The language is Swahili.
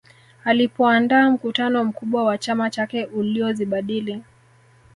Alipoandaa mkutano mkubwa wa chama chake uliozibadili